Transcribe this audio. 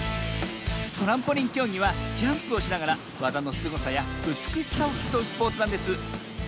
トランポリンきょうぎはジャンプをしながらわざのすごさやうつくしさをきそうスポーツなんです。